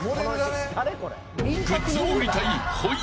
グッズを売りたいほい。